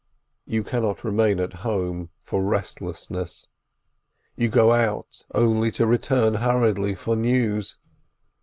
You cannot remain at home for restlessness; you go out, only to return hurriedly for news.